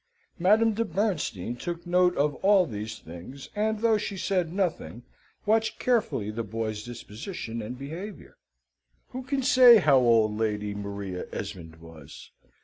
Madame de Bernstein took note of all these things, and, though she said nothing, watched carefully the boy's disposition and behaviour. Who can say how old Lady Maria Esmond was?